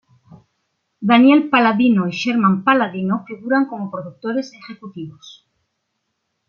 Daniel Palladino y Sherman-Palladino figuran como productores ejecutivos.